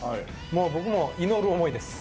僕も祈る思いです。